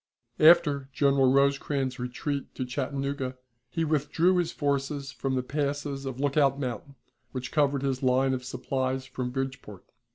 After General Rosecrans's retreat to Chattanooga, he withdrew his forces from the passes of Lookout Mountain, which covered his line of supplies from Bridgeport.